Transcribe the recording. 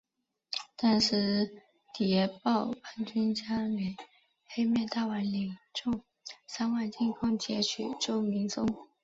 当时谍报叛军将领黑面大王领众三万进攻截取周明松。